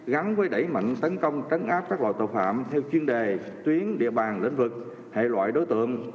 gắn với đẩy mạnh tấn công trấn áp các loại tội phạm theo chuyên đề tuyến địa bàn lĩnh vực hệ loại đối tượng